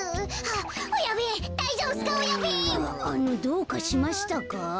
ああのどうかしましたか？